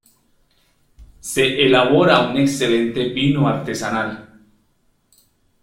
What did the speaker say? Se elabora un excelente vino artesanal.